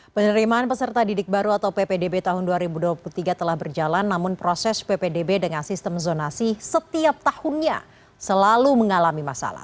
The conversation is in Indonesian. penerimaan peserta didik baru atau ppdb tahun dua ribu dua puluh tiga telah berjalan namun proses ppdb dengan sistem zonasi setiap tahunnya selalu mengalami masalah